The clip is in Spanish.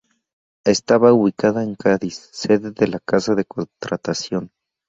Estaba ubicada en Cádiz, sede de la Casa de Contratación.